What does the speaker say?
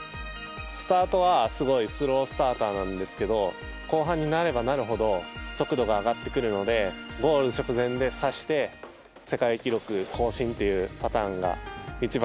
スタートは、すごいスロースターターなんですけど後半になればなるほど速度が上がってくるのでゴール直前でさして世界記録更新というパターンが一番